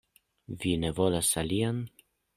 Vi ne volas alian?